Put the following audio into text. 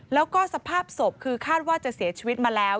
แล้วก็สภาพศพคือคาดว่าจะเสียชีวิตมาแล้ว